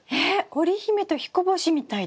織姫と彦星みたいですね。